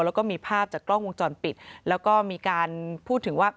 แล้วก็มีภาพจากกล้องวงจรปิดแล้วก็มีการพูดถึงว่า